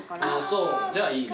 そうじゃあいいね。